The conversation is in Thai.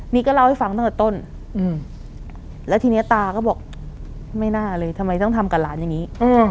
นี่ก็เล่าให้ฟังตั้งแต่ต้นแล้วทีนี้ตาก็บอกไม่น่าเลยทำไมต้องทำกับหลานอย่างนี้